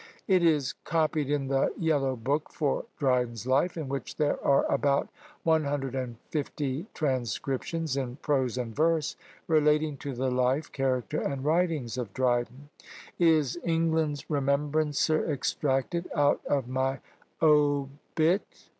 It is copied in the yellow book for Dryden's Life, in which there are about 150 transcriptions, in prose and verse, relating to the life, character, and writings of Dryden. Is England's Remembrancer extracted out of my _obit.